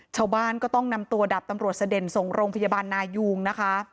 ชาวบ้านก็ต้องนำตัวดับตำรวจเสด็นส่งโรงพยาบาลนายุงนะคะ